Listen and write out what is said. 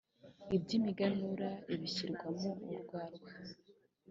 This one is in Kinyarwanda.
iby imiganura ibishyirwamo urwarwa